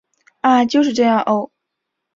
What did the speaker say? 啊！就这样喔